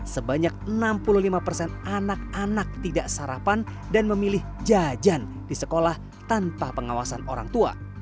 sebanyak enam puluh lima persen anak anak tidak sarapan dan memilih jajan di sekolah tanpa pengawasan orang tua